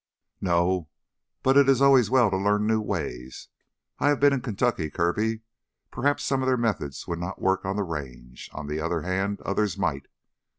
"No, but it is always well to learn new ways. I have been in Kentucky, Kirby. Perhaps some of their methods would not work on the Range. On the other hand, others might.